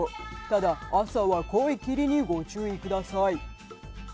ただ、朝は濃い霧にご注意ください。